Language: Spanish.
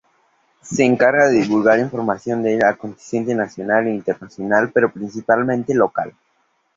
Se encarga de divulgar información del acontecer nacional e internacional, pero principalmente local.